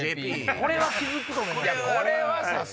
これは気付くと思います。